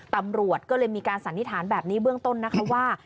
ตำรวจก็เลยมีการสันนิษฐานแบบนี้เบื้องต้นนะคะว่า